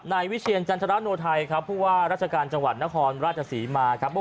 วิเชียรจันทรโนไทยครับผู้ว่าราชการจังหวัดนครราชศรีมาครับ